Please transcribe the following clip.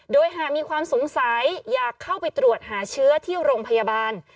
โดยหากมีความสงสัยอยากเข้าไปตรวจหาเชื้อที่โรงพยาบาล